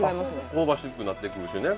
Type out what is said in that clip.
香ばしくなってくるしね